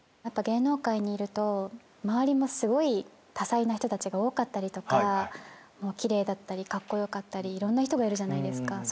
やっぱ芸能界にいると周りもすごい多才な人たちが多かったりとか奇麗だったりカッコよかったりいろんな人がいるじゃないですか。